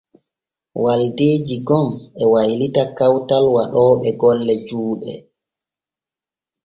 Waldeeji gom e wallita kawtal waɗooɓe golle juuɗe.